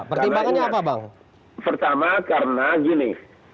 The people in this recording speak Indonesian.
pertama karena gini